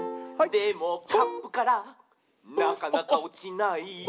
「でもカップからなかなかおちない」